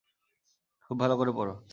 খুব ভালো করে পড়।